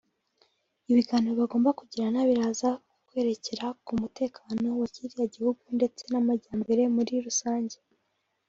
Ibiganiro bagomba kugirana biraza kwerekera ku mutekano wa kiriya gihugu ndetse n’amajyambere muri rusange